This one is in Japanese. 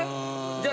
じゃあ。